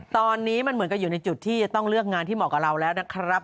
ตอนนี้มันเหมือนกับอยู่ในจุดที่จะต้องเลือกงานที่เหมาะกับเราแล้วนะครับ